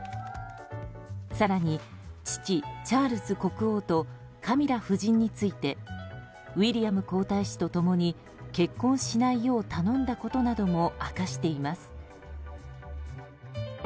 更に、父チャールズ国王とカミラ夫人についてウィリアム皇太子と共に結婚しないよう頼んだことなども明かしています。